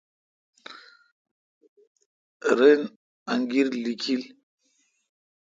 رن انگیر لیکیل ۔